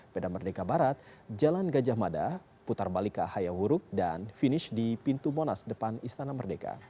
medan merdeka barat jalan gajah mada putar balik ke hayauruk dan finish di pintu monas depan istana merdeka